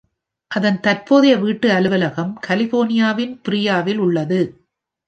அதன் தற்போதைய வீட்டு அலுவலகம் கலிபோர்னியாவின் ப்ரியாவில் உள்ளது.